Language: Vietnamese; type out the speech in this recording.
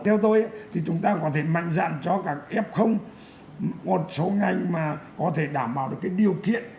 theo tôi thì chúng ta có thể mạnh dạng cho các f một số ngành mà có thể đảm bảo được cái điều kiện